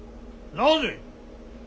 なぜ。